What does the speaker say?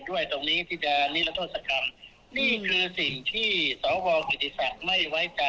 ไม่เห็นด้วยตรงนี้ที่จะนิดละโทษสักคำนี่คือสิ่งที่สวกิจิศักดิ์ไม่ไว้ใจ